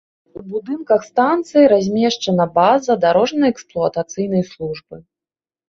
У будынках станцыі размешчана база дарожна-эксплуатацыйнай службы.